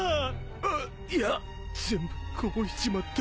あっいや全部こぼしちまった。